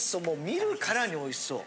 見るからにおいしそう。